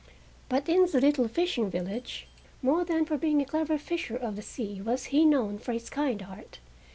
But in the little fishing village, more than for being a clever fisher of the sea was he known for his kind heart.